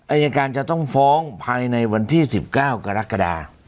อายการจะต้องฟ้องภายในวันที่๑๙กรกฎา